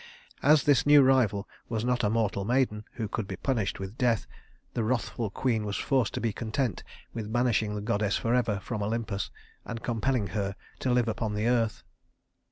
As this new rival was not a mortal maiden who could be punished with death, the wrathful queen was forced to be content with banishing the goddess forever from Olympus, and compelling her to live upon the earth.